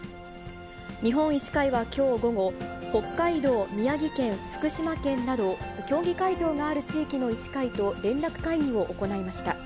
日本医師会はきょう午後、北海道、宮城県、福島県など、競技会場のある地域の医師会と連絡会議を行いました。